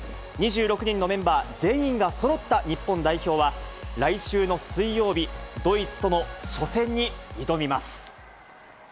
２６人のメンバー全員がそろった日本代表は、来週の水曜日、ドイツとの初戦に挑みます。